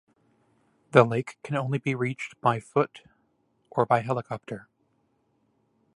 The lake can only be reached by foot or by helicopter.